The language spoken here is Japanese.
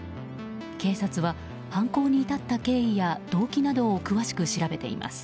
警察は犯行に至った経緯や動機などを詳しく調べています。